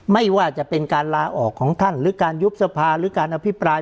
ไม่ว่าจะเป็นการลาออกของท่านหรือการยุบสภาหรือการอภิปราย